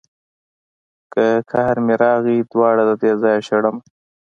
که قار مې راغی دواړه ددې ځايه شړمه.